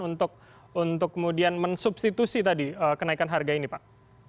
untuk kemudian mensubstitusi tadi kenaikan harga ini pak